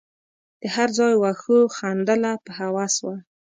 د هر ځای وښو خندله په هوس وه